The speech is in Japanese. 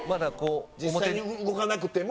実際に動かなくても。